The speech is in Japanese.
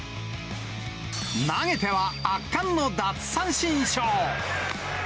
投げては圧巻の奪三振ショー。